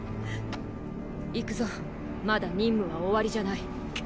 行くぞまだ任務は終わりじゃない